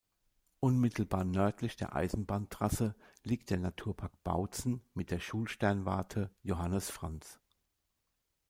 Unmittelbar nördlich der Eisenbahntrasse liegt der Naturpark Bautzen mit der Schulsternwarte „Johannes Franz“.